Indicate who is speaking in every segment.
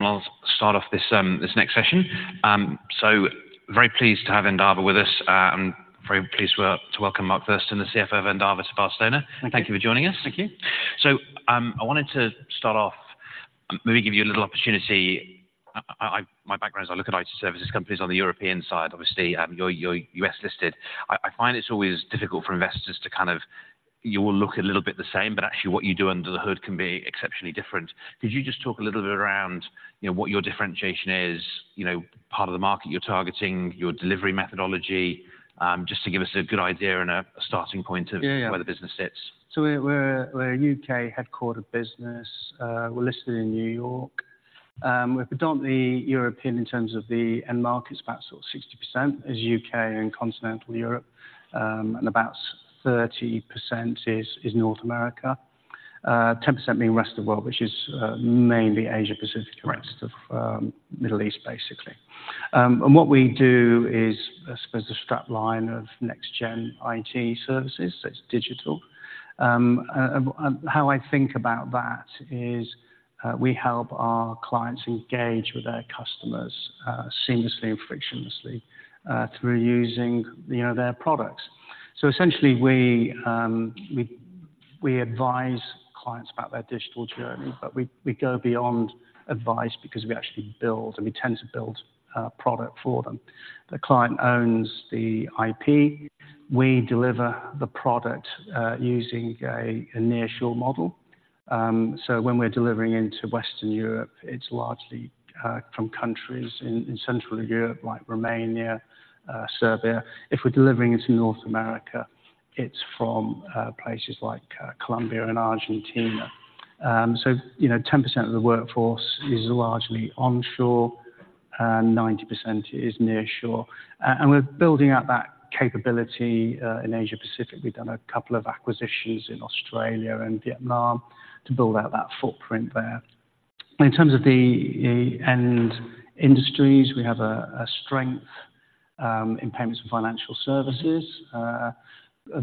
Speaker 1: Well, I'll start off this next session. So very pleased to have Endava with us. I'm very pleased to welcome Mark Thurston, the CFO of Endava to Barcelona.
Speaker 2: Thank you.
Speaker 1: Thank you for joining us.
Speaker 2: Thank you.
Speaker 1: So, I wanted to start off, maybe give you a little opportunity. I, my background is I look at IT services companies on the European side. Obviously, you're U.S. listed. I find it's always difficult for investors to kind of... You all look a little bit the same, but actually what you do under the hood can be exceptionally different. Could you just talk a little bit around, you know, what your differentiation is, you know, part of the market you're targeting, your delivery methodology? Just to give us a good idea and a starting point of-
Speaker 2: Yeah, yeah.
Speaker 1: where the business sits.
Speaker 2: We're a UK-headquartered business, we're listed in New York. We're predominantly European in terms of the end markets, about sort of 60% is UK and Continental Europe, and about 30% is North America. 10% being rest of the world, which is mainly Asia Pacific-
Speaker 1: Correct.
Speaker 2: The rest of the Middle East, basically. What we do is, I suppose, the strap line of next gen IT services, so it's digital. How I think about that is we help our clients engage with their customers seamlessly and frictionlessly through using, you know, their products. So essentially we advise clients about their digital journey, but we go beyond advice because we actually build, and we tend to build a product for them. The client owns the IP. We deliver the product using a nearshore model. So when we're delivering into Western Europe, it's largely from countries in central Europe, like Romania, Serbia. If we're delivering into North America, it's from places like Colombia and Argentina. So, you know, 10% of the workforce is largely onshore, and 90% is nearshore. And we're building out that capability in Asia Pacific. We've done a couple of acquisitions in Australia and Vietnam to build out that footprint there. In terms of the end industries, we have a strength in payments and financial services, a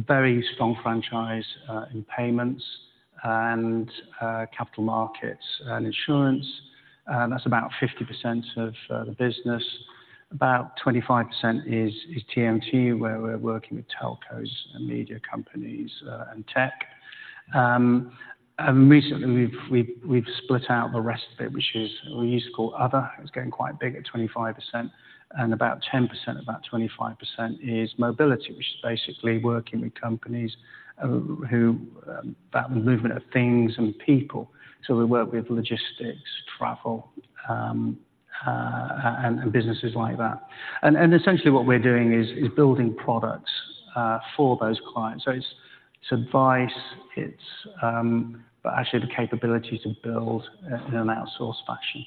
Speaker 2: very strong franchise in payments and capital markets and insurance. That's about 50% of the business. About 25% is TMT, where we're working with telcos and media companies and tech. And recently, we've split out the rest of it, which we used to call other. It was getting quite big at 25%, and about 10%, about 25% is mobility, which is basically working with companies who that movement of things and people. So we work with logistics, travel, and businesses like that. And essentially what we're doing is building products for those clients. So it's advice, but actually the capability to build in an outsourced fashion.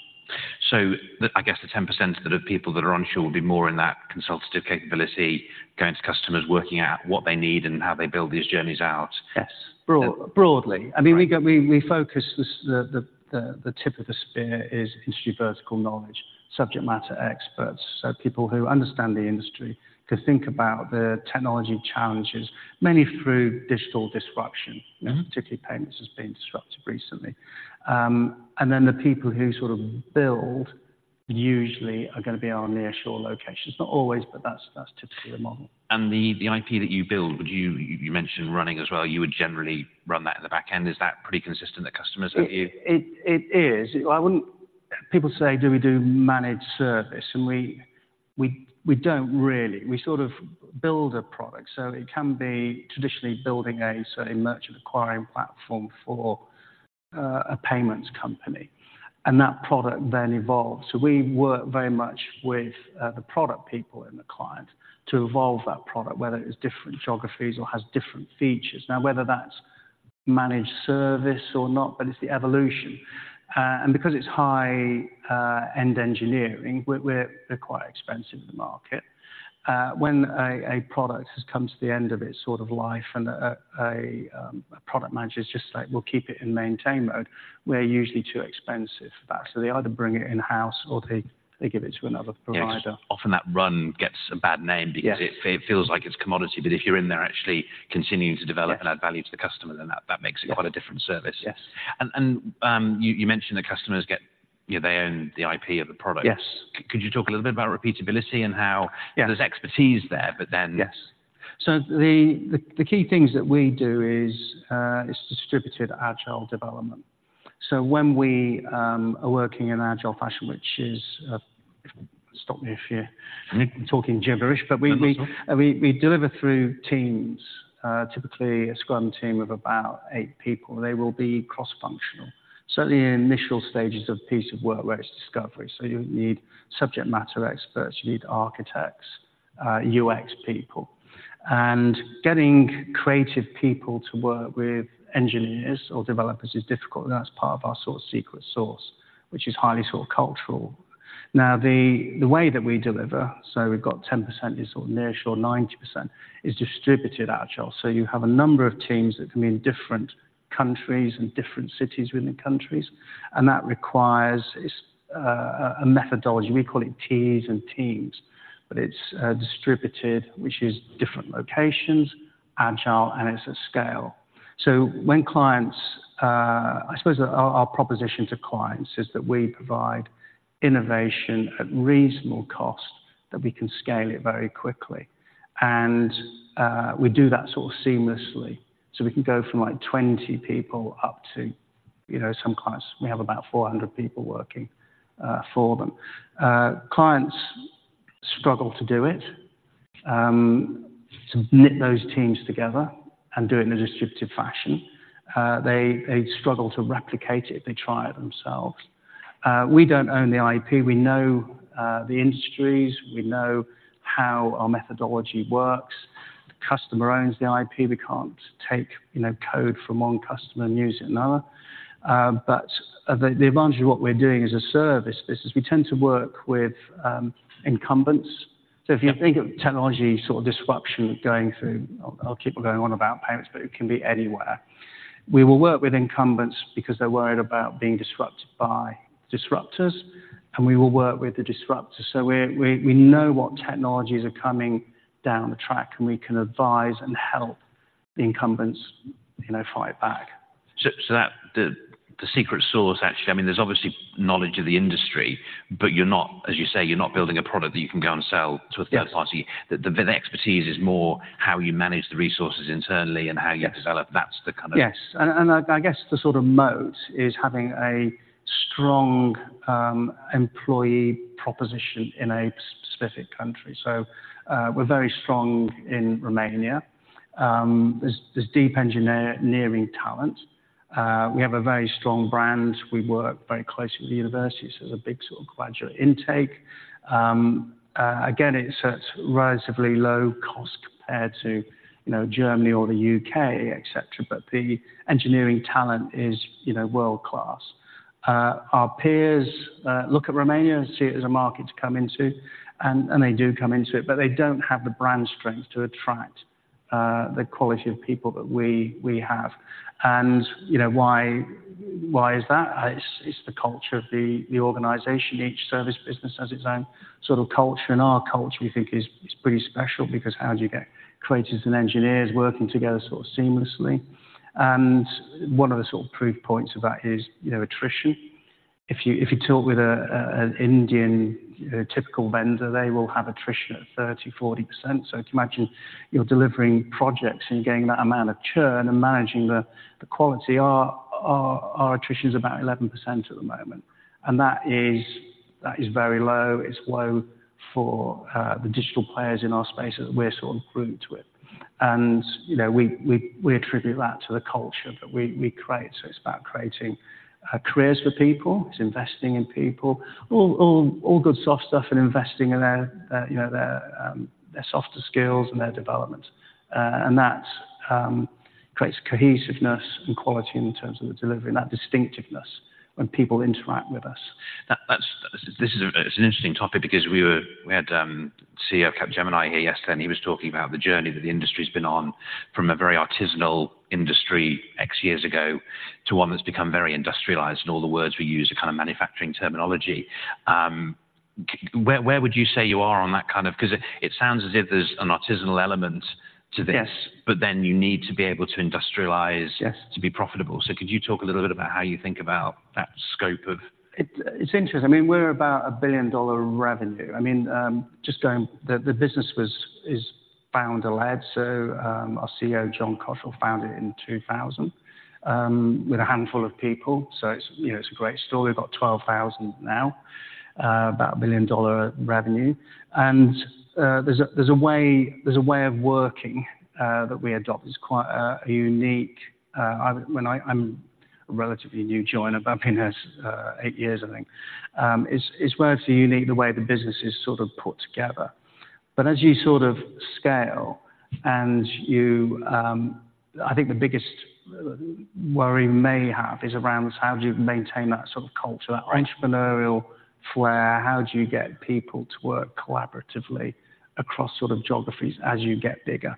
Speaker 1: So, I guess the 10% that are people that are onshore would be more in that consultative capability, going to customers, working out what they need and how they build these journeys out?
Speaker 2: Yes, broad, broadly.
Speaker 1: Right.
Speaker 2: I mean, we go, we focus the tip of the spear is industry vertical knowledge, subject matter experts. So people who understand the industry could think about the technology challenges, mainly through digital disruption-
Speaker 1: Mm-hmm.
Speaker 2: Particularly payments has been disrupted recently. And then the people who sort of build usually are gonna be our nearshore locations. Not always, but that's, that's typically the model.
Speaker 1: The IP that you build, would you... You mentioned running as well, you would generally run that in the back end. Is that pretty consistent that customers with you?
Speaker 2: It is. I wouldn't. People say, do we do managed service? And we don't really. We sort of build a product. So it can be traditionally building a certain merchant acquiring platform for a payments company, and that product then evolves. So we work very much with the product people and the client to evolve that product, whether it's different geographies or has different features. Now, whether that's managed service or not, but it's the evolution. And because it's high-end engineering, we're quite expensive in the market. When a product has come to the end of its sort of life and a product manager is just like, "We'll keep it in maintain mode," we're usually too expensive for that. So they either bring it in-house or they give it to another provider.
Speaker 1: Yes. Often that run gets a bad name-
Speaker 2: Yes
Speaker 1: because it feels like it's commodity, but if you're in there actually continuing to develop-
Speaker 2: Yeah
Speaker 1: -and add value to the customer, then that, that makes it-
Speaker 2: Yeah
Speaker 1: Quite a different service.
Speaker 2: Yes.
Speaker 1: You mentioned the customers get, you know, they own the IP of the product.
Speaker 2: Yes.
Speaker 1: Could you talk a little bit about repeatability and how-
Speaker 2: Yeah
Speaker 1: there's expertise there, but then
Speaker 2: Yes. So the key things that we do is distributed Agile development. So when we are working in Agile fashion, which is, stop me if you're-
Speaker 1: Mm-hmm
Speaker 2: Talking gibberish, but we
Speaker 1: Not at all....
Speaker 2: we deliver through teams, typically a Scrum team of about eight people. They will be cross-functional, certainly in initial stages of piece of work where it's discovery. So you need subject matter experts, you need architects, UX people. And getting creative people to work with engineers or developers is difficult, and that's part of our sort of secret sauce, which is highly sort of cultural. Now, the way that we deliver, so we've got 10% is sort of nearshore, 90% is distributed agile. So you have a number of teams that can be in different countries and different cities within countries, and that requires a methodology. We call it TEAM and teams, but it's distributed, which is different locations, agile, and it's at scale.... So when clients, I suppose our proposition to clients is that we provide innovation at reasonable cost, that we can scale it very quickly, and we do that sort of seamlessly. So we can go from like 20 people up to, you know, some clients, we have about 400 people working for them. Clients struggle to do it to knit those teams together and do it in a distributed fashion. They struggle to replicate it if they try it themselves. We don't own the IP. We know the industries, we know how our methodology works. The customer owns the IP. We can't take, you know, code from one customer and use it in another. But the advantage of what we're doing as a service business, we tend to work with incumbents. So if you think of technology sort of disruption going through, I'll keep going on about payments, but it can be anywhere. We will work with incumbents because they're worried about being disrupted by disruptors, and we will work with the disruptors. So we know what technologies are coming down the track, and we can advise and help the incumbents, you know, fight back.
Speaker 1: So, that's the secret sauce, actually. I mean, there's obviously knowledge of the industry, but as you say, you're not building a product that you can go and sell to a third party.
Speaker 2: Yes.
Speaker 1: The expertise is more how you manage the resources internally and how you develop.
Speaker 2: Yes.
Speaker 1: That's the kind of-
Speaker 2: Yes, I guess the sort of moat is having a strong employee proposition in a specific country. So, we're very strong in Romania. There's deep engineering talent. We have a very strong brand. We work very closely with the universities, so there's a big sort of graduate intake. Again, it's a relatively low cost compared to, you know, Germany or the UK, et cetera, but the engineering talent is, you know, world-class. Our peers look at Romania and see it as a market to come into, and they do come into it, but they don't have the brand strength to attract the quality of people that we have. And, you know, why is that? It's the culture of the organization. Each service business has its own sort of culture, and our culture, we think, is pretty special because how do you get creatives and engineers working together sort of seamlessly? And one of the sort of proof points of that is, you know, attrition. If you talk with an Indian typical vendor, they will have attrition of 30%-40%. So if you imagine you're delivering projects and getting that amount of churn and managing the quality, our attrition is about 11% at the moment, and that is very low. It's low for the digital players in our space that we're sort of grouped with. And, you know, we attribute that to the culture that we create. So it's about creating careers for people, it's investing in people, all good soft stuff and investing in their, you know, their softer skills and their development. And that creates cohesiveness and quality in terms of the delivery and that distinctiveness when people interact with us.
Speaker 1: This is an interesting topic because we had the CEO of Capgemini here yesterday, and he was talking about the journey that the industry's been on from a very artisanal industry X years ago to one that's become very industrialized, and all the words we use are kind of manufacturing terminology. Where would you say you are on that kind of... Because it sounds as if there's an artisanal element to this.
Speaker 2: Yes.
Speaker 1: But then you need to be able to industrialize-
Speaker 2: Yes.
Speaker 1: to be profitable. So could you talk a little bit about how you think about that scope of?
Speaker 2: It's interesting. I mean, we're about a billion-dollar revenue. I mean, just going. The business is founder-led, so our CEO, John Cotterell, founded it in 2000 with a handful of people. So it's, you know, it's a great story. We've got 12,000 now, about a billion-dollar revenue. And there's a way of working that we adopt. It's quite a unique. I'm a relatively new joiner, but I've been here eight years, I think. It's relatively unique the way the business is sort of put together. But as you sort of scale and you, I think the biggest worry you may have is around how do you maintain that sort of culture, that entrepreneurial flair? How do you get people to work collaboratively across sort of geographies as you get bigger?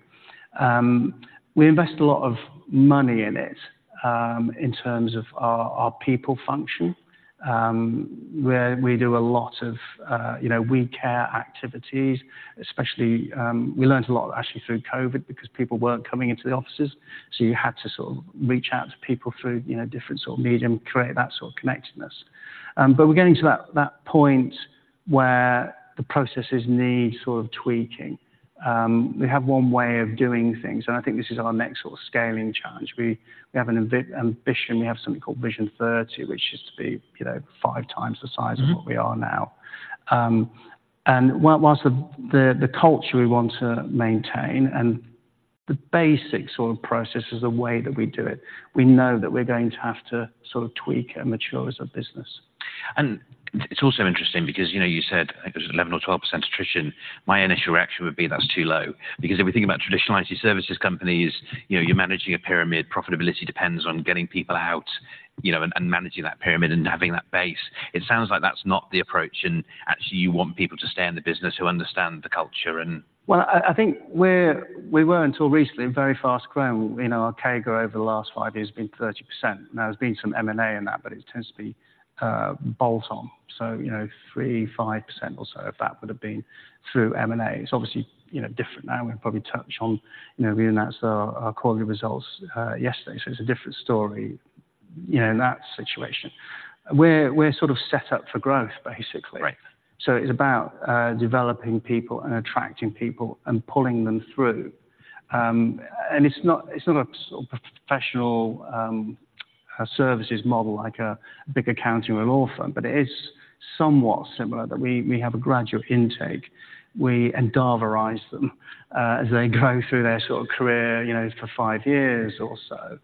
Speaker 2: We invest a lot of money in it, in terms of our, our people function, where we do a lot of, you know, we care activities, especially, we learned a lot actually through COVID because people weren't coming into the offices, so you had to sort of reach out to people through, you know, different sort of medium, create that sort of connectedness. But we're getting to that, that point where the processes need sort of tweaking. We have one way of doing things, and I think this is our next sort of scaling challenge. We, we have an ambit, ambition. We have something called Vision 30, which is to be, you know, 5 times the size of what we are now. And while the culture we want to maintain and the basic sort of processes, the way that we do it, we know that we're going to have to sort of tweak and mature as a business.
Speaker 1: It's also interesting because, you know, you said, I think it was 11%-12% attrition. My initial reaction would be that's too low, because if we think about traditional IT services companies, you know, you're managing a pyramid. Profitability depends on getting people out, you know, and managing that pyramid and having that base. It sounds like that's not the approach, and actually, you want people to stay in the business who understand the culture and-
Speaker 2: Well, I think we were until recently very fast-growing. You know, our CAGR over the last five years has been 30%. Now, there's been some M&A in that, but it tends to be bolt-on. So, you know, 3%-5% or so of that would have been through M&A. It's obviously, you know, different now. We'll probably touch on, you know, we announced our quarterly results yesterday, so it's a different story... you know, in that situation. We're sort of set up for growth, basically.
Speaker 1: Right.
Speaker 2: So it's about developing people and attracting people and pulling them through. And it's not, it's not a professional services model, like a big accounting or law firm, but it is somewhat similar, that we have a gradual intake. We Endavize them as they go through their sort of career, you know, for five years or so.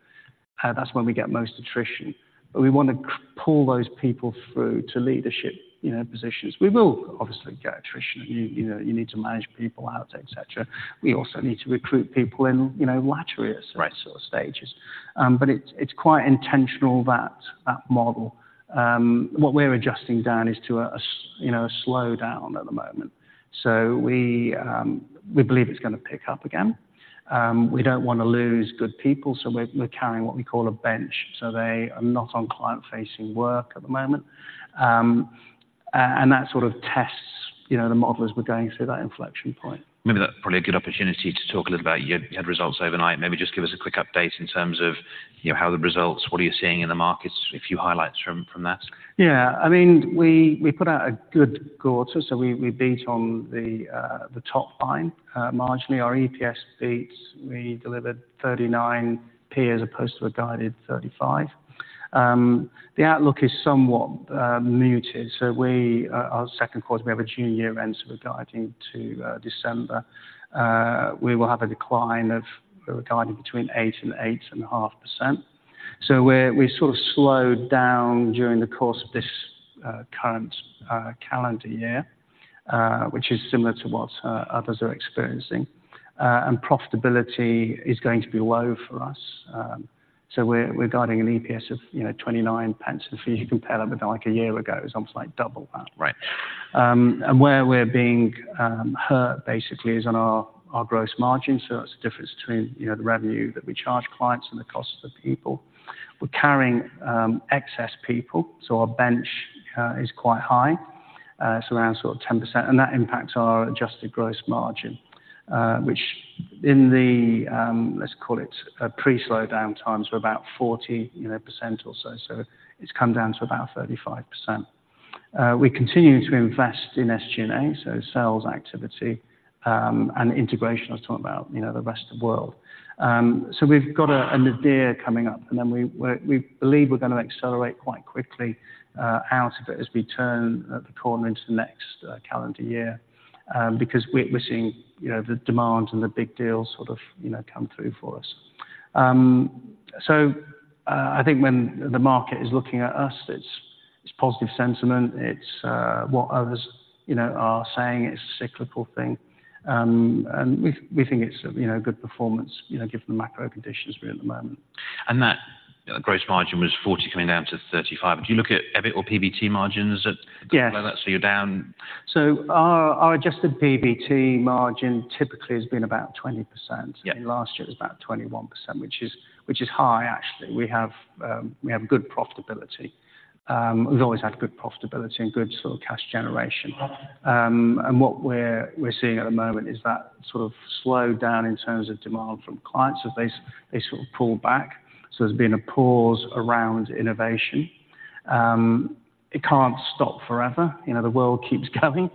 Speaker 2: That's when we get most attrition. But we wanna pull those people through to leadership, you know, positions. We will obviously get attrition. You know, you need to manage people out, et cetera. We also need to recruit people in, you know, latterly-
Speaker 1: Right
Speaker 2: Sort of stages. But it's, it's quite intentional that, that model. What we're adjusting down is to a, you know, a slowdown at the moment. So we, we believe it's gonna pick up again. We don't wanna lose good people, so we're, we're carrying what we call a bench. So they are not on client-facing work at the moment. And that sort of tests, you know, the model as we're going through that inflection point.
Speaker 1: Maybe that's probably a good opportunity to talk a little about you. You had results overnight. Maybe just give us a quick update in terms of, you know, how the results, what are you seeing in the markets, a few highlights from that.
Speaker 2: Yeah, I mean, we put out a good quarter, so we beat on the top line marginally. Our EPS beats, we delivered 39p as opposed to a guided 35p. The outlook is somewhat muted, so our second quarter, we have a year-end, so we're guiding to December. We will have a decline of, we're guiding between 8% and 8.5%. So we sort of slowed down during the course of this current calendar year, which is similar to what others are experiencing. And profitability is going to be low for us. So we're guiding an EPS of, you know, 29p. If you compare that with, like, a year ago, it's almost like double that.
Speaker 1: Right.
Speaker 2: Where we're being hurt, basically, is on our gross margin. So that's the difference between, you know, the revenue that we charge clients and the costs of people. We're carrying excess people, so our bench is quite high. It's around sort of 10%, and that impacts our adjusted gross margin, which in the, let's call it, pre-slowdown times, were about 40%, you know, or so. So it's come down to about 35%. We continue to invest in SG&A, so sales activity and integration. I was talking about, you know, the rest of world. So we've got a nadir coming up, and then we believe we're gonna accelerate quite quickly out of it as we turn the corner into the next calendar year, because we're seeing, you know, the demand and the big deals sort of, you know, come through for us. So, I think when the market is looking at us, it's positive sentiment, it's what others, you know, are saying, it's a cyclical thing. And we think it's a, you know, good performance, you know, given the macro conditions we're in at the moment.
Speaker 1: That gross margin was 40% coming down to 35%. Do you look at EBIT or PBT margins at-
Speaker 2: Yes.
Speaker 1: Well, that's so you're down?
Speaker 2: Our adjusted PBT margin typically has been about 20%.
Speaker 1: Yeah.
Speaker 2: And last year was about 21%, which is high, actually. We have good profitability. We've always had good profitability and good sort of cash generation. And what we're seeing at the moment is that sort of slowdown in terms of demand from clients as they sort of pull back. So there's been a pause around innovation. It can't stop forever. You know, the world keeps going.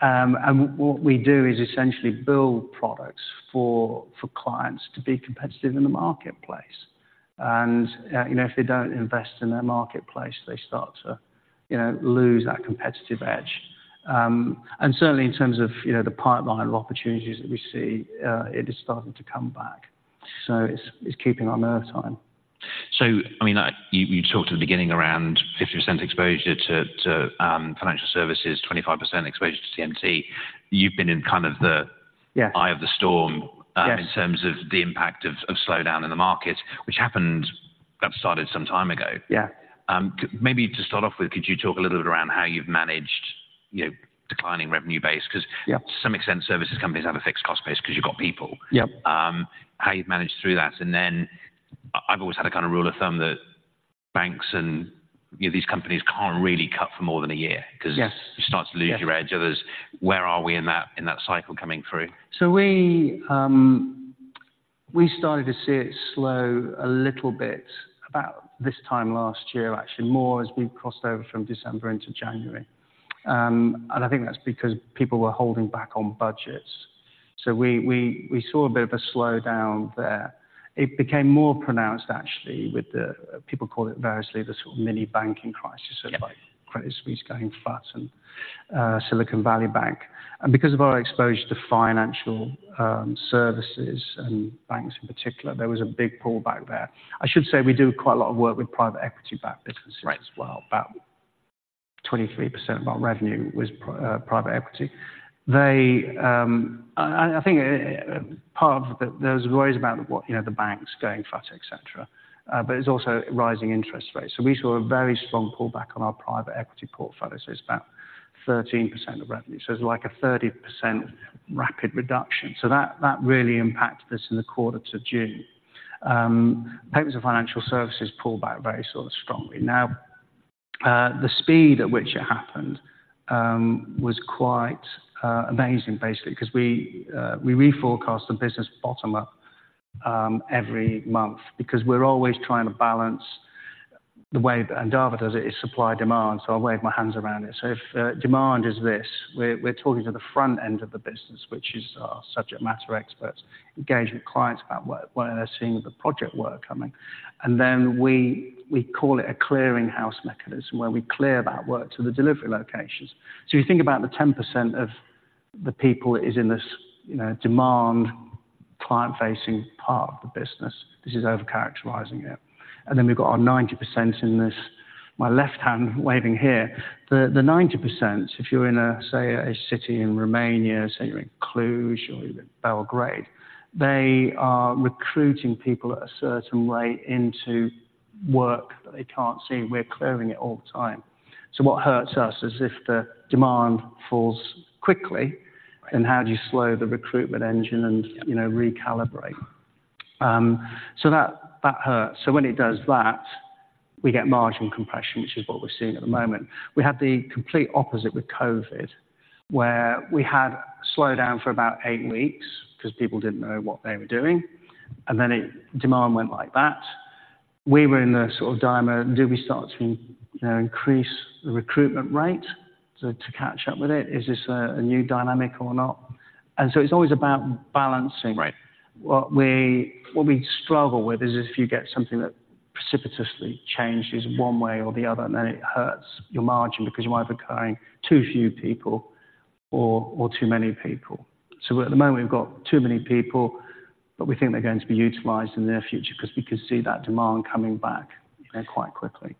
Speaker 2: And what we do is essentially build products for clients to be competitive in the marketplace. And you know, if they don't invest in their marketplace, they start to you know, lose that competitive edge. And certainly in terms of you know, the pipeline of opportunities that we see, it is starting to come back, so it's keeping on overtime.
Speaker 1: So, I mean, you talked at the beginning around 50% exposure to financial services, 25% exposure to TMT. You've been in kind of the-
Speaker 2: Yes
Speaker 1: eye of the storm
Speaker 2: Yes
Speaker 1: In terms of the impact of slowdown in the market, which happened, got started some time ago.
Speaker 2: Yeah.
Speaker 1: Maybe to start off with, could you talk a little bit around how you've managed, you know, declining revenue base?
Speaker 2: Yep.
Speaker 1: Because to some extent, services companies have a fixed cost base because you've got people.
Speaker 2: Yep.
Speaker 1: how you've managed through that, and then I've always had a kind of rule of thumb that banks and, you know, these companies can't really cut for more than a year-
Speaker 2: Yes...
Speaker 1: because you start to lose your edge others. Where are we in that, in that cycle coming through?
Speaker 2: So we started to see it slow a little bit about this time last year, actually, more as we crossed over from December into January. And I think that's because people were holding back on budgets. So we saw a bit of a slowdown there. It became more pronounced actually, with the... People call it variously the sort of mini banking crisis-
Speaker 1: Yeah
Speaker 2: - of like Credit Suisse going flat and, Silicon Valley Bank. And because of our exposure to financial, services and banks in particular, there was a big pullback there. I should say we do quite a lot of work with private equity-backed businesses-
Speaker 1: Right
Speaker 2: as well. About 23% of our revenue was private equity. They, I think, part of the, there was worries about what, you know, the banks going flat, et cetera, but it's also rising interest rates. So we saw a very strong pullback on our private equity portfolio. So it's about 13% of revenue. So it's like a 30% rapid reduction. So that really impacted us in the quarter to June. Players in financial services pulled back very sort of strongly. Now, the speed at which it happened was quite amazing, basically, because we reforecast the business bottom-up every month, because we're always trying to balance the way, and Endava does it, is supply demand, so I'll wave my hands around it. So if demand is this, we're talking to the front end of the business, which is our subject matter experts, engage with clients about what they're seeing with the project work coming. And then we call it a clearing house mechanism, where we clear that work to the delivery locations. So you think about the 10% of the people is in this, you know, demand, client-facing part of the business. This is over-characterizing it. And then we've got our 90% in this, my left hand waving here. The 90%, if you're in a, say, a city in Romania, say, you're in Cluj or you're in Belgrade, they are recruiting people at a certain rate into work that they can't see. We're clearing it all the time. So what hurts us is if the demand falls quickly, then how do you slow the recruitment engine and, you know, recalibrate? So that hurts. So when it does that, we get margin compression, which is what we're seeing at the moment. We had the complete opposite with COVID, where we had slowed down for about eight weeks because people didn't know what they were doing, and then demand went like that. We were in the sort of dilemma, do we start to, you know, increase the recruitment rate to catch up with it? Is this a new dynamic or not? And so it's always about balancing.
Speaker 1: Right.
Speaker 2: What we struggle with is if you get something that precipitously changes one way or the other, and then it hurts your margin because you might be carrying too few people or too many people. So at the moment, we've got too many people, but we think they're going to be utilized in the near future because we can see that demand coming back quite quickly.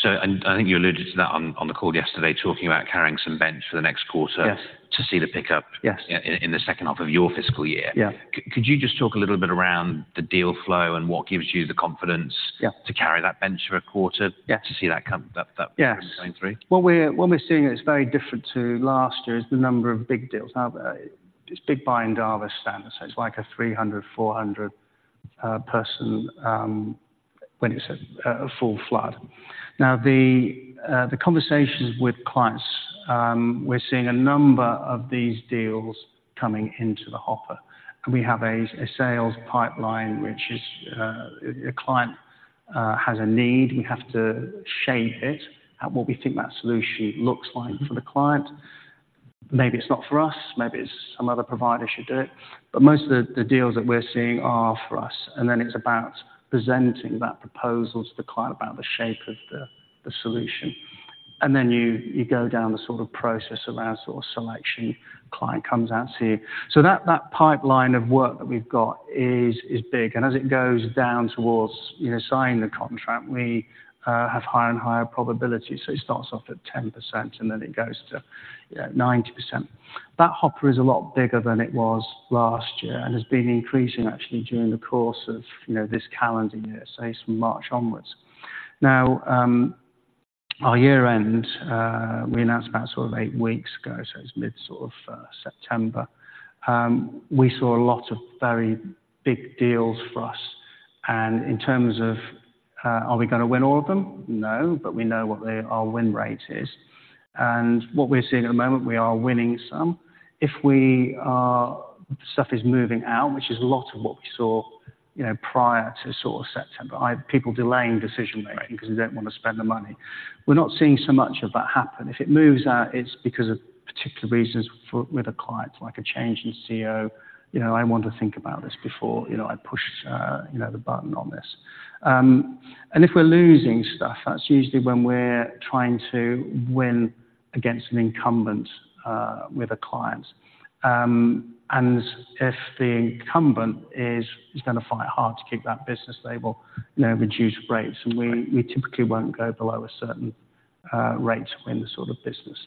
Speaker 1: So, and I think you alluded to that on, on the call yesterday, talking about carrying some bench for the next quarter-
Speaker 2: Yes.
Speaker 1: to see the pickup
Speaker 2: Yes.
Speaker 1: - in the second half of your fiscal year.
Speaker 2: Yeah.
Speaker 1: Could you just talk a little bit around the deal flow and what gives you the confidence?
Speaker 2: Yeah.
Speaker 1: to carry that bench for a quarter?
Speaker 2: Yeah.
Speaker 1: To see that come-
Speaker 2: Yes.
Speaker 1: - going through?
Speaker 2: What we're seeing is very different to last year is the number of big deals. Now, it's big by Endava standards, so it's like a 300-400-person when it's a full flood. Now, the conversations with clients, we're seeing a number of these deals coming into the hopper. And we have a sales pipeline, which is a client has a need. We have to shape it at what we think that solution looks like for the client. Maybe it's not for us, maybe it's some other provider should do it, but most of the deals that we're seeing are for us, and then it's about presenting that proposal to the client about the shape of the solution. Then you go down the sort of process of our sort of selection, client comes out to you. So that pipeline of work that we've got is big, and as it goes down towards, you know, signing the contract, we have higher and higher probability. So it starts off at 10%, and then it goes to, you know, 90%. That hopper is a lot bigger than it was last year and has been increasing actually during the course of, you know, this calendar year, say, from March onwards. Now, our year end, we announced about sort of 8 weeks ago, so it's mid sort of September. We saw a lot of very big deals for us, and in terms of, are we gonna win all of them? No, but we know what they, our win rate is. What we're seeing at the moment, we are winning some. Stuff is moving out, which is a lot of what we saw, you know, prior to sort of September. I, people delaying decision-making-
Speaker 1: Right.
Speaker 2: Because they don't want to spend the money. We're not seeing so much of that happen. If it moves out, it's because of particular reasons for, with a client, like a change in CEO. You know, I want to think about this before, you know, I push, you know, the button on this. And if we're losing stuff, that's usually when we're trying to win against an incumbent, with a client. And if the incumbent is gonna fight hard to keep that business, they will, you know, reduce rates, and we typically won't go below a certain rate to win the sort of business.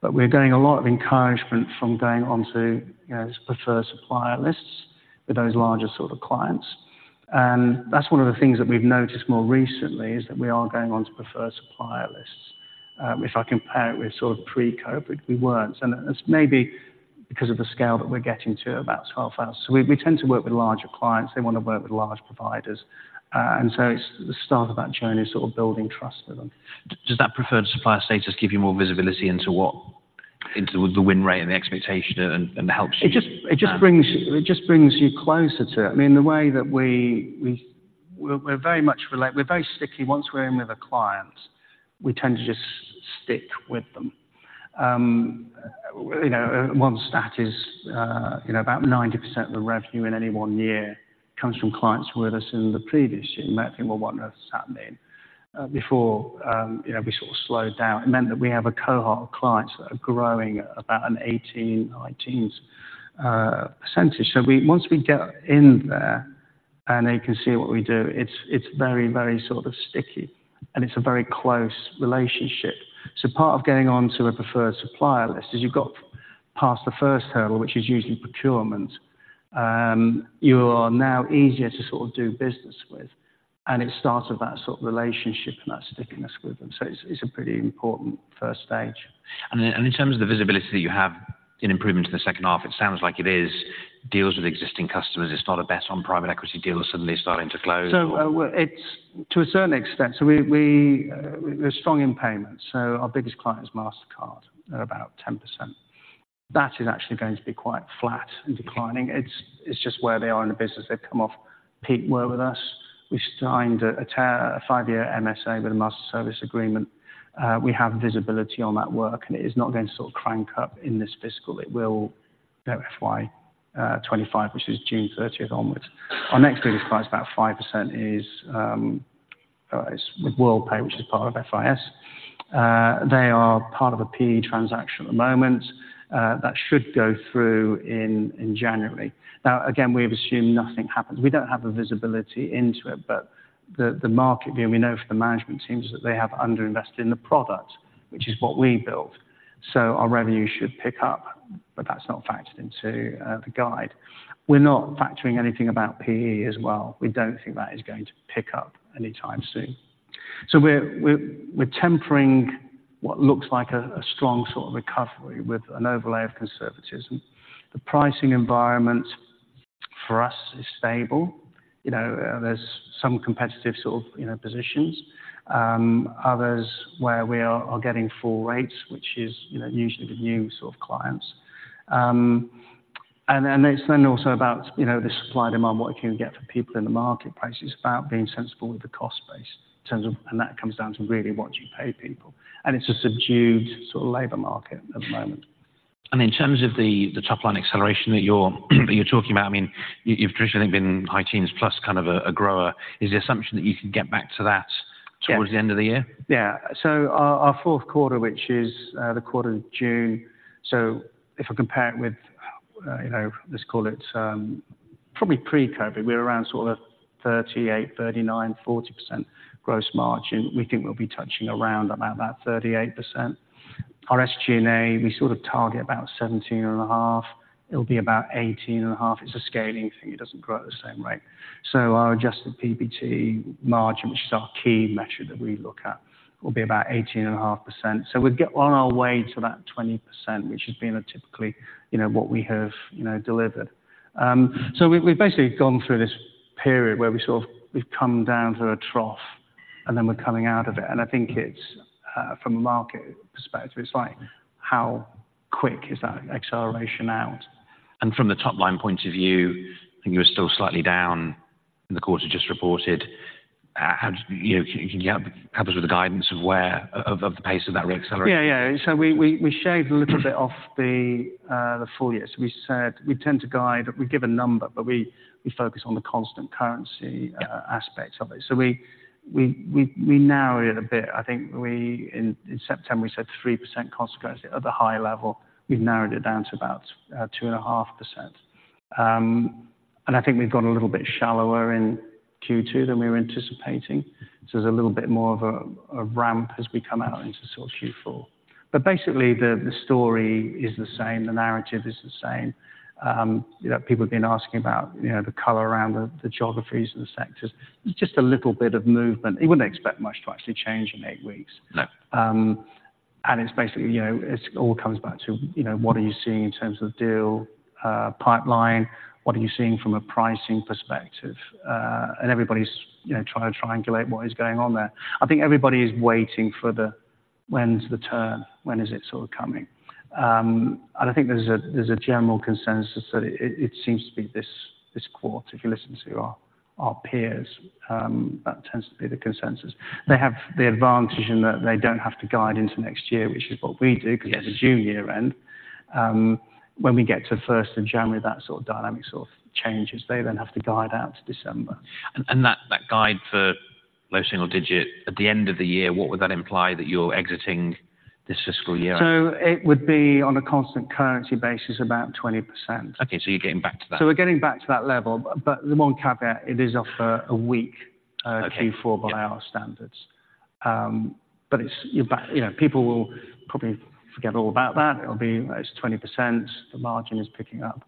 Speaker 2: But we're getting a lot of encouragement from going on to, you know, preferred supplier lists with those larger sort of clients. That's one of the things that we've noticed more recently, is that we are going on to preferred supplier lists. If I compare it with sort of pre-COVID, we weren't, and it's maybe because of the scale that we're getting to about 12,000. So we, we tend to work with larger clients, they wanna work with large providers, and so it's the start of that journey, sort of building trust with them.
Speaker 1: Does that preferred supplier status give you more visibility into what, into the win rate and the expectation and helps you?
Speaker 2: It just brings you closer to it. I mean, the way that we're very much relate-- We're very sticky. Once we're in with a client, we tend to just stick with them. You know, one stat is, you know, about 90% of the revenue in any one year comes from clients who were with us in the previous year. You might think, well, what on earth is happening? Before, you know, we sort of slowed down, it meant that we have a cohort of clients that are growing at about an 18%-19%. So once we get in there and they can see what we do, it's very, very sort of sticky, and it's a very close relationship. So part of getting on to a preferred supplier list is you've got past the first hurdle, which is usually procurement. You are now easier to sort of do business with, and it started that sort of relationship and that stickiness with them. So it's, it's a pretty important first stage.
Speaker 1: In terms of the visibility that you have in improvement to the second half, it sounds like it is deals with existing customers. It's not a bet on private equity deals suddenly starting to close or?
Speaker 2: So, well, it's to a certain extent. So we're strong in payments, so our biggest client is Mastercard, at about 10%. That is actually going to be quite flat and declining. It's just where they are in the business. They've come off peak work with us. We signed a five-year MSA with a master service agreement. We have visibility on that work, and it is not going to sort of crank up in this fiscal. It will FY 2025, which is June 30th onwards. Our next biggest client, about 5%, is Worldpay, which is part of FIS. They are part of a PE transaction at the moment, that should go through in January. Now, again, we've assumed nothing happens. We don't have the visibility into it, but the market view, and we know from the management teams that they have underinvested in the product, which is what we built. So our revenue should pick up, but that's not factored into the guide. We're not factoring anything about PE as well. We don't think that is going to pick up anytime soon. So we're tempering what looks like a strong sort of recovery with an overlay of conservatism. The pricing environment for us is stable. You know, there's some competitive sort of positions, you know, others where we are getting full rates, which is, you know, usually the new sort of clients. And then it's also about, you know, the supply/demand, what you can get for people in the market price. It's about being sensible with the cost base in terms of... That comes down to really what you pay people, and it's a subdued sort of labor market at the moment.
Speaker 1: In terms of the top-line acceleration that you're talking about, I mean, you've traditionally been high teens plus kind of a grower. Is the assumption that you can get back to that-
Speaker 2: Yeah.
Speaker 1: Toward the end of the year?
Speaker 2: Yeah. So our fourth quarter, which is the quarter of June, so if I compare it with you know, let's call it probably pre-COVID, we're around sort of 38%-40% gross margin. We think we'll be touching around about that 38%. Our SG&A, we sort of target about 17.5. It'll be about 18.5. It's a scaling thing. It doesn't grow at the same rate. So our adjusted PBT margin, which is our key measure that we look at, will be about 18.5%. So we'd get on our way to that 20%, which has been a typically you know, what we have you know, delivered. So we we've basically gone through this period where we sort of, we've come down to a trough, and then we're coming out of it. I think it's, from a market perspective, it's like, how quick is that acceleration out?
Speaker 1: From the top-line point of view, I think you were still slightly down in the quarter just reported. How do you... Can you help us with the guidance of where, of the pace of that reacceleration?
Speaker 2: Yeah, yeah. So we shaved a little bit off the full year. So we said we tend to guide, we give a number, but we focus on the constant currency aspects of it. So we narrow it a bit. I think in September, we said 3% constant currency at the high level. We've narrowed it down to about 2.5%. And I think we've gone a little bit shallower in Q2 than we were anticipating. So there's a little bit more of a ramp as we come out into Q4. But basically, the story is the same, the narrative is the same. You know, people have been asking about the color around the geographies and the sectors. It's just a little bit of movement. You wouldn't expect much to actually change in 8 weeks.
Speaker 1: No.
Speaker 2: And it's basically, you know, it all comes back to, you know, what are you seeing in terms of deal pipeline? What are you seeing from a pricing perspective? And everybody's, you know, trying to triangulate what is going on there. I think everybody is waiting for, when's the turn? When is it sort of coming? And I think there's a general consensus that it seems to be this quarter, if you listen to our peers, that tends to be the consensus. They have the advantage in that they don't have to guide into next year, which is what we do-
Speaker 1: Yes.
Speaker 2: -because it's a June year end. When we get to first of January, that sort of dynamic sort of changes. They then have to guide out to December.
Speaker 1: And that guide for low single digit at the end of the year, what would that imply that you're exiting this fiscal year?
Speaker 2: It would be on a constant currency basis, about 20%.
Speaker 1: Okay, so you're getting back to that.
Speaker 2: We're getting back to that level, but the one caveat, it is off for a week...
Speaker 1: Okay.
Speaker 2: Q4 by our standards. But it's, you're back... You know, people will probably forget all about that. It'll be, it's 20%, the margin is picking up.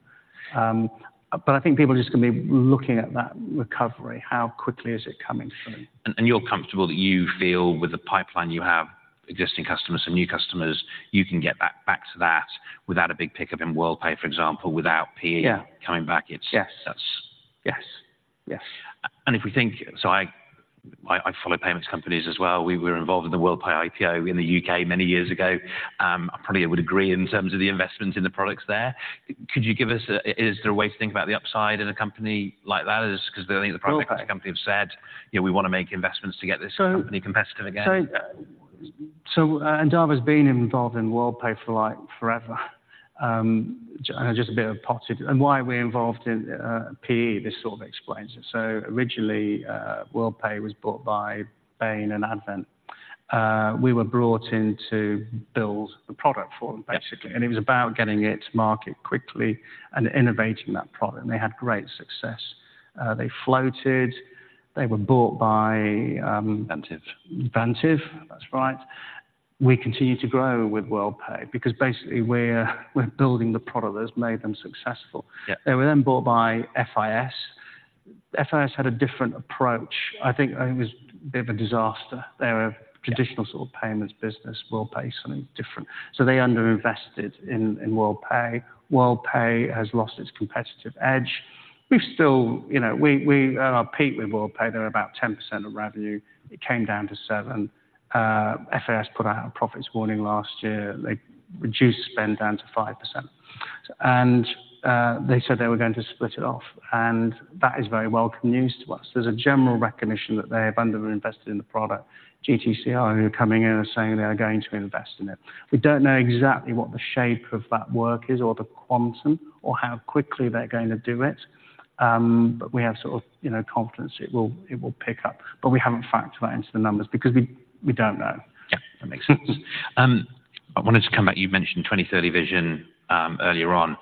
Speaker 2: But I think people are just gonna be looking at that recovery, how quickly is it coming from?
Speaker 1: You're comfortable that you feel with the pipeline you have, existing customers and new customers, you can get back to that without a big pickup in Worldpay, for example, without PE-
Speaker 2: Yeah.
Speaker 1: coming back. It's
Speaker 2: Yes.
Speaker 1: That's...
Speaker 2: Yes. Yes.
Speaker 1: If we think so, I follow payments companies as well. We were involved in the Worldpay IPO in the UK many years ago. I probably would agree in terms of the investment in the products there. Could you give us a way to think about the upside in a company like that? Because I think the private company-
Speaker 2: Okay.
Speaker 1: have said, "Yeah, we want to make investments to get this company competitive again.
Speaker 2: Endava's been involved in Worldpay for, like, forever. Just a bit of potted and why we're involved in PE, this sort of explains it. Originally, Worldpay was bought by Bain and Advent. We were brought in to build the product for them, basically.
Speaker 1: Okay.
Speaker 2: And it was about getting it to market quickly and innovating that product, and they had great success. They floated, they were bought by-
Speaker 1: Vantiv.
Speaker 2: Vantiv, that's right. We continue to grow with Worldpay because basically we're building the product that's made them successful.
Speaker 1: Yeah.
Speaker 2: They were then bought by FIS. FIS had a different approach. I think it was a bit of a disaster. They were a traditional sort of payments business, Worldpay, something different. So they underinvested in Worldpay. Worldpay has lost its competitive edge. We've still, you know, we are at our peak with Worldpay. They're about 10% of revenue. It came down to 7%. FIS put out a profits warning last year. They reduced spend down to 5%, and they said they were going to split it off, and that is very welcome news to us. There's a general recognition that they have underinvested in the product. GTCR, who are coming in, are saying they are going to invest in it. We don't know exactly what the shape of that work is or the quantum or how quickly they're going to do it, but we have sort of, you know, confidence it will, it will pick up, but we haven't factored that into the numbers because we, we don't know.
Speaker 1: Yeah, that makes sense. I wanted to come back. You mentioned 2030 vision, earlier on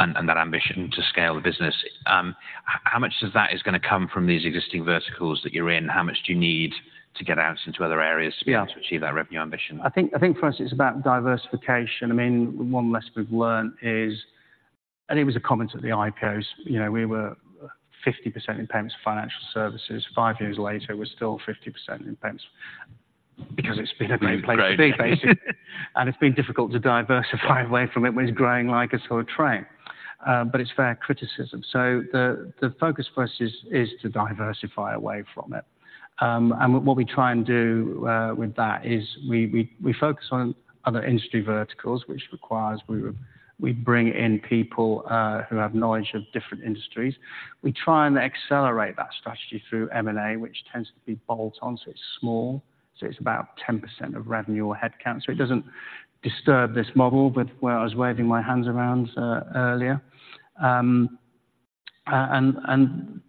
Speaker 1: and that ambition to scale the business. How much of that is gonna come from these existing verticals that you're in? How much do you need to get out into other areas-
Speaker 2: Yeah.
Speaker 1: to be able to achieve that revenue ambition?
Speaker 2: I think, I think for us it's about diversification. I mean, one lesson we've learned is, and it was a comment at the IPOs, you know, we were 50% in payments financial services. five years later, we're still 50% in payments because it's been a great place to be, basically. And it's been difficult to diversify away from it when it's growing like a sort of train. But it's fair criticism. So the focus for us is to diversify away from it. And what we try and do with that is we focus on other industry verticals, which requires we bring in people who have knowledge of different industries. We try and accelerate that strategy through M&A, which tends to be bolt-on, so it's small. So it's about 10% of revenue or headcount. So it doesn't disturb this model, but where I was waving my hands around earlier. And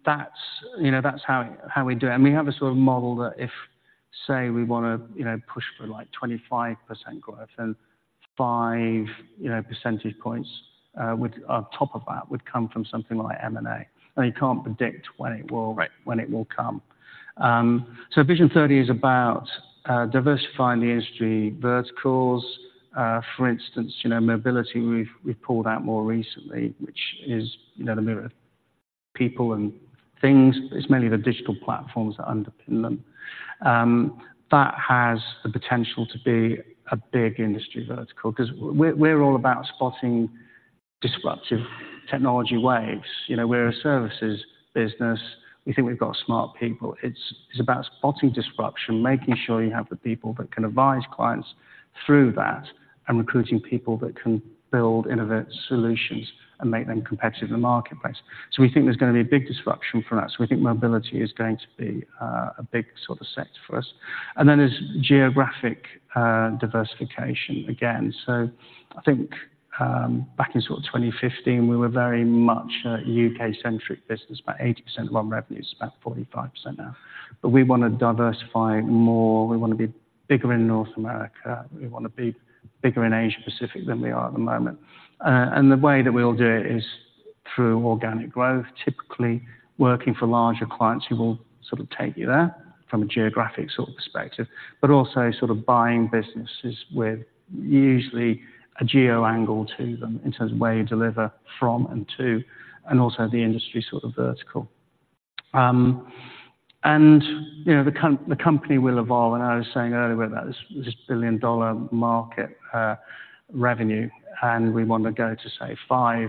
Speaker 2: that's, you know, that's how we do it. And we have a sort of model that if, say, we want to, you know, push for like 25% growth, then five, you know, percentage points would on top of that would come from something like M&A. And you can't predict when it will-
Speaker 1: Right.
Speaker 2: -when it will come. So Vision 30 is about diversifying the industry verticals. For instance, you know, mobility, we've pulled out more recently, which is, you know, the move of people and things. It's mainly the digital platforms that underpin them. That has the potential to be a big industry vertical because we're all about spotting disruptive technology waves. You know, we're a services business. We think we've got smart people. It's about spotting disruption, making sure you have the people that can advise clients through that, and recruiting people that can build innovative solutions and make them competitive in the marketplace. So we think there's gonna be a big disruption for that. So we think mobility is going to be a big sort of set for us. And then there's geographic diversification again. I think, back in sort of 2015, we were very much a UK-centric business, about 80% of our revenue; it's about 45% now. But we want to diversify more. We want to be bigger in North America. We want to be bigger in Asia Pacific than we are at the moment. And the way that we'll do it is through organic growth, typically working for larger clients who will sort of take you there from a geographic sort of perspective, but also sort of buying businesses with usually a geo angle to them in terms of where you deliver from and to, and also the industry sort of vertical. And, you know, the company will evolve, and I was saying earlier about this billion-dollar market revenue, and we want to go to, say, five.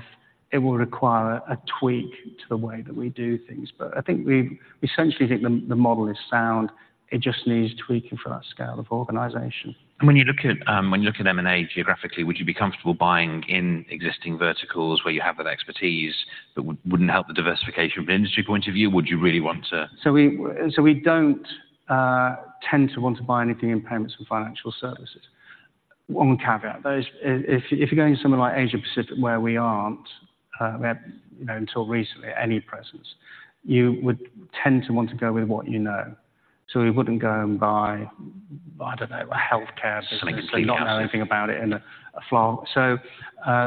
Speaker 2: It will require a tweak to the way that we do things, but I think we essentially think the model is sound. It just needs tweaking for that scale of organization.
Speaker 1: When you look at M&A geographically, would you be comfortable buying in existing verticals where you have that expertise, but wouldn't help the diversification from an industry point of view? Would you really want to-
Speaker 2: So we don't tend to want to buy anything in payments for financial services. One caveat, though, is if you're going to somewhere like Asia Pacific, where we aren't, we have, you know, until recently, any presence, you would tend to want to go with what you know. So we wouldn't go and buy, I don't know, a healthcare business-
Speaker 1: Something completely different.
Speaker 2: We don't know anything about it in a flash. So,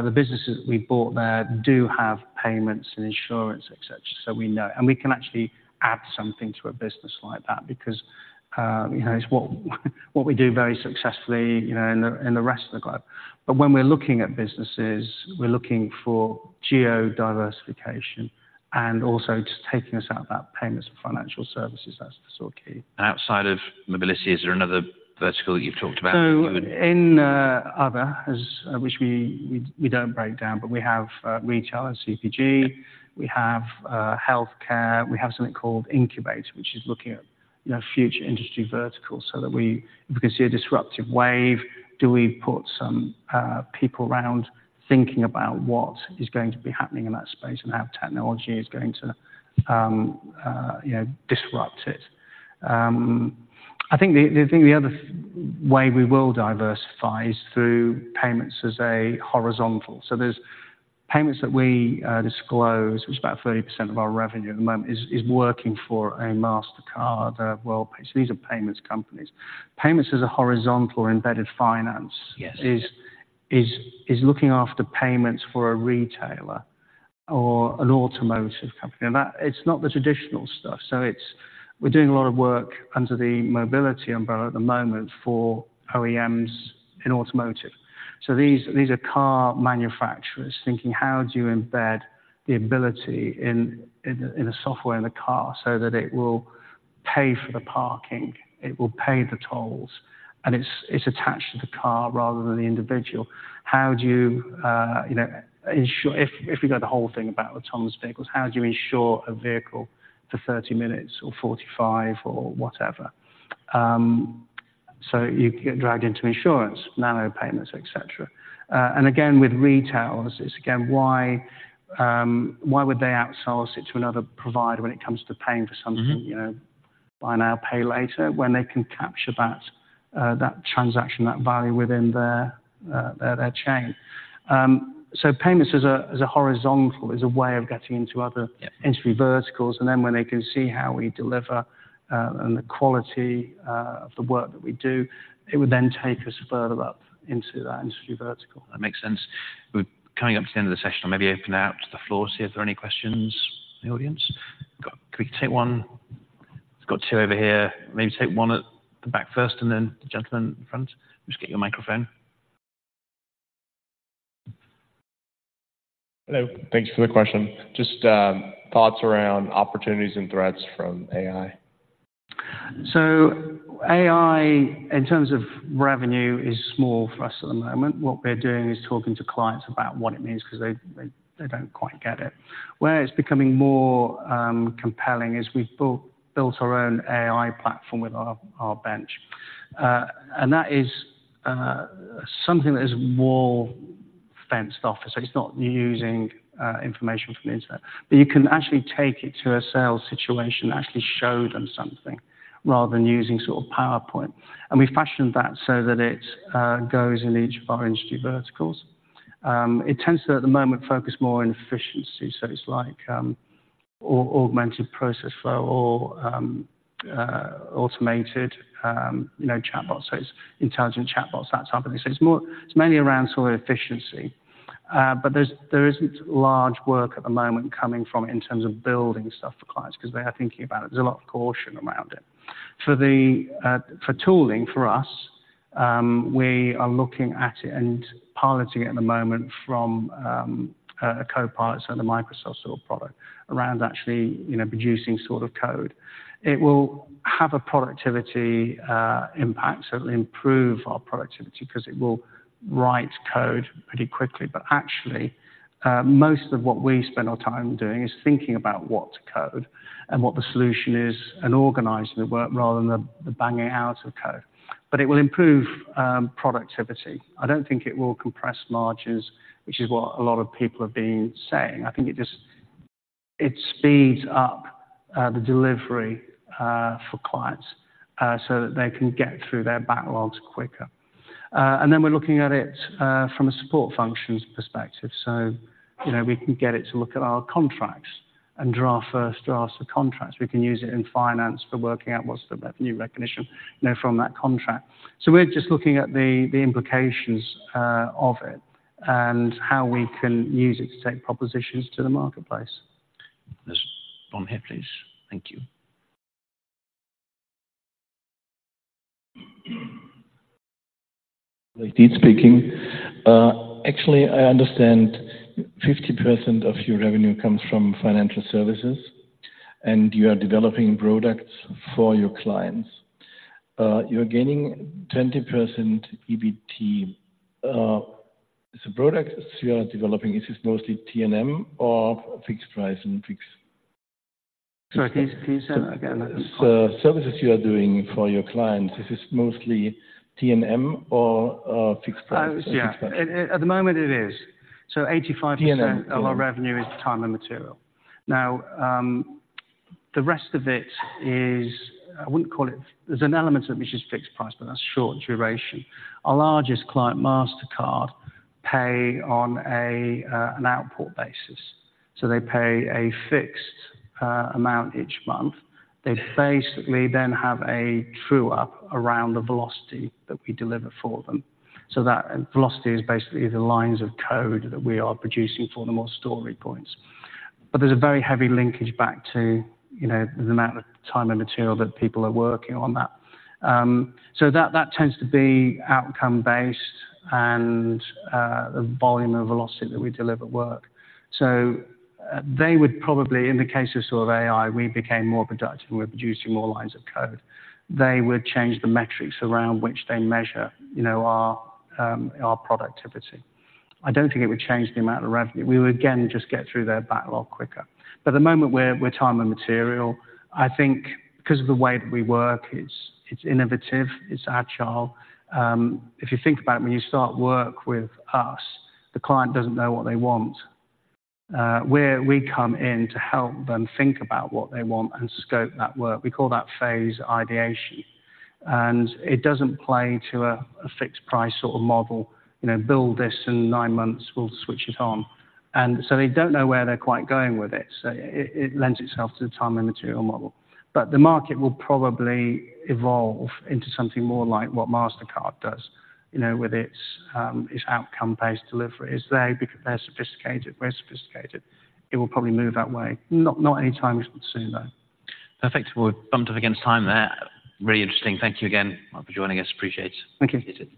Speaker 2: the businesses we bought there do have payments and insurance, et cetera. So we know, and we can actually add something to a business like that because, you know, it's what, what we do very successfully, you know, in the, in the rest of the globe. But when we're looking at businesses, we're looking for geo diversification and also just taking us out of that payments and financial services. That's the sort of key.
Speaker 1: Outside of mobility, is there another vertical that you've talked about?
Speaker 2: So in other, as which we don't break down, but we have retail and CPG, we have healthcare, we have something called Incubator, which is looking at, you know, future industry verticals so that we, if we can see a disruptive wave, do we put some people around thinking about what is going to be happening in that space and how technology is going to, you know, disrupt it? I think the other way we will diversify is through payments as a horizontal. So there's payments that we disclose, which is about 30% of our revenue at the moment, is working for a Mastercard, Worldpay. So these are payments companies. Payments as a horizontal or embedded finance-
Speaker 1: Yes.
Speaker 2: is looking after payments for a retailer or an automotive company. Now, that, it's not the traditional stuff, so it's. We're doing a lot of work under the mobility umbrella at the moment for OEMs in automotive. So these are car manufacturers thinking, how do you embed the ability in the software in the car so that it will pay for the parking, it will pay the tolls, and it's attached to the car rather than the individual. How do you, you know, ensure. If we go the whole thing about autonomous vehicles, how do you insure a vehicle for 30 minutes or 45 or whatever? So you get dragged into insurance, nano payments, et cetera. And again, with retailers, it's again, why would they outsource it to another provider when it comes to paying for something.
Speaker 1: Mm-hmm.
Speaker 2: You know, buy now, pay later, when they can capture that, that transaction, that value within their, their chain? So payments as a, as a horizontal, as a way of getting into other-
Speaker 1: Yeah
Speaker 2: -industry verticals, and then when they can see how we deliver, and the quality, of the work that we do, it would then take us further up into that industry vertical.
Speaker 1: That makes sense. We're coming up to the end of the session. I'll maybe open it out to the floor, see if there are any questions in the audience. Got... Can we take one? It's got two over here. Maybe take one at the back first and then the gentleman in front. Just get you a microphone.
Speaker 2: Hello, thank you for the question. Just thoughts around opportunities and threats from AI. So AI, in terms of revenue, is small for us at the moment. What we're doing is talking to clients about what it means because they don't quite get it. Where it's becoming more compelling is we've built our own AI platform with our bench. And that is something that is more fenced off. So it's not using information from the internet, but you can actually take it to a sales situation, actually show them something rather than using sort of PowerPoint. And we fashioned that so that it goes in each of our industry verticals. It tends to, at the moment, focus more on efficiency, so it's like augmented process flow or automated, you know, chatbot. So it's intelligent chatbots, that type of thing. So it's more, it's mainly around sort of efficiency, but there's, there isn't large work at the moment coming from it in terms of building stuff for clients because they are thinking about it. There's a lot of caution around it. For the, for tooling, for us, we are looking at it and piloting it at the moment from, a Copilot, so the Microsoft sort of product, around actually, you know, producing sort of code. It will have a productivity, impact, so it will improve our productivity because it will write code pretty quickly. But actually, most of what we spend our time doing is thinking about what to code and what the solution is and organizing the work rather than the, the banging out of code. But it will improve, productivity. I don't think it will compress margins, which is what a lot of people have been saying. I think it just... It speeds up the delivery for clients so that they can get through their backlogs quicker. And then we're looking at it from a support functions perspective. So, you know, we can get it to look at our contracts and draw first drafts of contracts. We can use it in finance for working out what's the revenue recognition, you know, from that contract. So we're just looking at the implications of it and how we can use it to take propositions to the marketplace.
Speaker 1: There's one here, please. Thank you....
Speaker 3: Deep speaking. Actually, I understand 50% of your revenue comes from financial services, and you are developing products for your clients. You're gaining 20% PBT. The products you are developing, is this mostly T&M or fixed price and fixed?
Speaker 2: Sorry, can you say that again?
Speaker 4: The services you are doing for your clients, is this mostly T&M or fixed price?
Speaker 2: Oh, yeah. At the moment, it is. So 85%-
Speaker 4: T&M
Speaker 2: Of our revenue is time and material. Now, the rest of it is, I wouldn't call it... There's an element of it which is fixed price, but that's short duration. Our largest client, Mastercard, pay on a, an output basis. So they pay a fixed, amount each month. They basically then have a true up around the velocity that we deliver for them. So that velocity is basically the lines of code that we are producing for the most story points. But there's a very heavy linkage back to, you know, the amount of time and material that people are working on that. So that, that tends to be outcome-based and, the volume and velocity that we deliver work. So, they would probably, in the case of sort of AI, we became more productive, and we're producing more lines of code. They would change the metrics around which they measure, you know, our productivity. I don't think it would change the amount of revenue. We would, again, just get through their backlog quicker. But at the moment, we're time and material. I think because of the way that we work, it's innovative, it's agile. If you think about when you start work with us, the client doesn't know what they want. We come in to help them think about what they want and scope that work. We call that phase ideation, and it doesn't play to a fixed price sort of model. You know, build this in 9 months, we'll switch it on. And so they don't know where they're quite going with it, so it lends itself to the time and material model. But the market will probably evolve into something more like what Mastercard does, you know, with its outcome-based delivery, because they're sophisticated. We're sophisticated. It will probably move that way, not anytime soon, though.
Speaker 1: Perfect. We've bumped up against time there. Really interesting. Thank you again for joining us. Appreciate it.
Speaker 2: Thank you.
Speaker 1: See you.